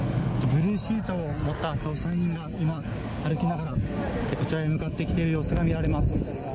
ブルーシートを持った捜査員が歩きながらこちらへ向かってきている様子が見られます。